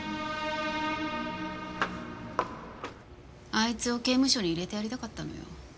あいつを刑務所に入れてやりたかったのよ。